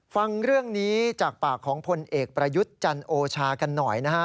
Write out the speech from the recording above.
ฟังเรื่องนี้จากปากของพลเอกประยุทธ์จันโอชากันหน่อยนะฮะ